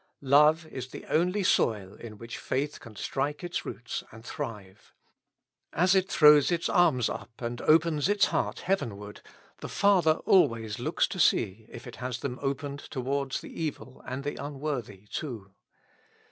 Love is the only soil in which faith can strike its roots and thrive. As it throws its arms up, and opens its heart heavenward, the Father always looks to see if it has them opened towards the evil and the unworthy too.